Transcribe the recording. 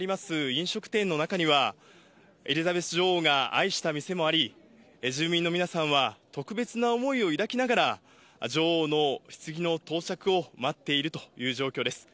飲食店の中には、エリザベス女王が愛した店もあり、住民の皆さんは特別な思いを抱きながら、女王のひつぎの到着を待っているという状況です。